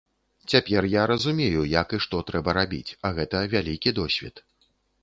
Цяпер я разумею, як і што трэба рабіць, а гэта вялікі досвед.